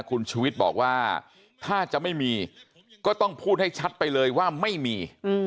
คุณชุวิตบอกว่าถ้าจะไม่มีก็ต้องพูดให้ชัดไปเลยว่าไม่มี